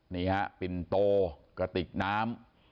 นี่ฮะปิ่นโตกระติกน้ำ